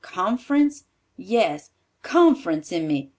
Conference?—Yes, conference in me.